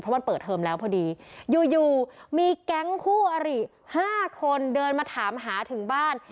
เพราะว่าเปิดเทอร์มแล้วพอดีอยู่มีแก๊งคู่อริห้าคนเดินมาถามหาถึงบ้าน